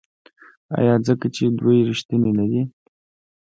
آیا ځکه چې دوی ریښتیني نه دي؟